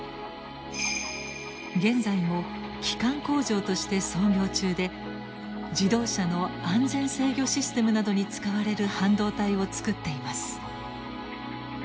現在も基幹工場として操業中で自動車の安全制御システムなどに使われる半導体を作っています。